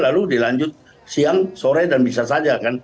lalu dilanjut siang sore dan bisa saja kan